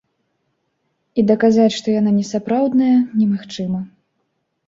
І даказаць, што яна несапраўдная, немагчыма.